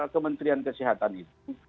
kementerian kesehatan itu